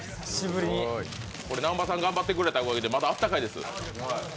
南波さん頑張ってくれたおかげでまだ温かいです。